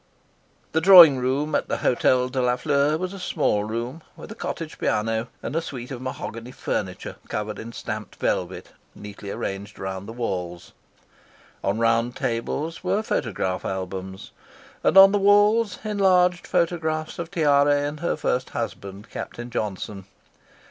The drawing room at the Hotel de la Fleur was a small room, with a cottage piano, and a suite of mahogany furniture, covered in stamped velvet, neatly arranged around the walls. On round tables were photograph albums, and on the walls enlarged photographs of Tiare and her first husband, Captain Johnson.